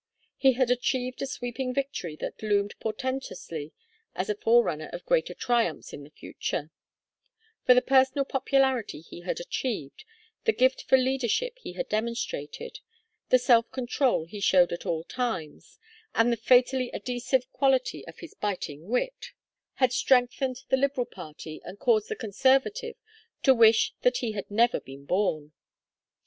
He had achieved a sweeping victory that loomed portentously as a forerunner of greater triumphs in the future; for the personal popularity he had achieved, the gift for leadership he had demonstrated, the self control he showed at all times, and the fatally adhesive quality of his biting wit, had strengthened the Liberal party and caused the Conservative to wish that he had never been born.